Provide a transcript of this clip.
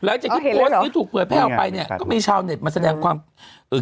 หลังจากที่โพสต์นี้ถูกเผยแพร่ออกไปเนี่ยก็มีชาวเน็ตมาแสดงความเอ่อ